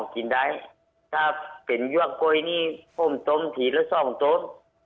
กินได้ถ้าเป็นยั่วโกยนี่ผมต้มถี่ละสองต้น